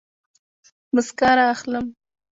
موسکا رااخلم